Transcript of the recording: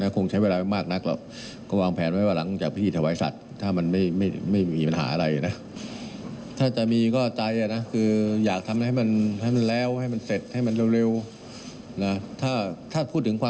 ผมทำเต็มที่แล้วล่ะ